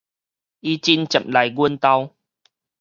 伊真捷來阮兜